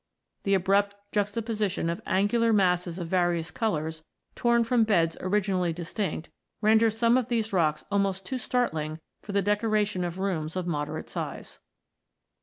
The abrupt juxtaposition of angular masses of various colours, torn from beds originally distinct, renders some of these rocks almost too startling for the decoration of rooms of moderate size.